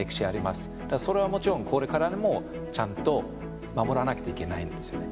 それはもちろんこれからもちゃんと守らなくちゃいけないんですよね。